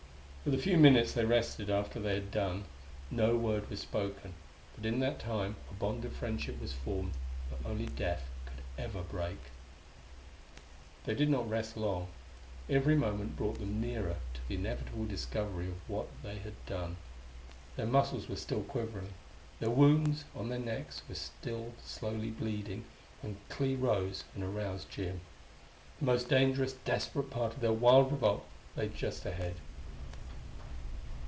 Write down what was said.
For the few minutes they rested after they had done, no word was spoken; but in that time a bond of friendship was formed that only death could ever break.... They did not rest long. Every moment brought them nearer to the inevitable discovery of what they had done. Their muscles were still quivering, the wounds on their necks still slowly bleeding, when Clee rose and aroused Jim. The most dangerous, desperate part of their wild revolt lay just ahead.